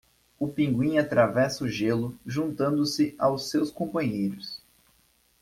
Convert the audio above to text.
O pinguim atravessa o gelo juntando-se aos seus companheiros.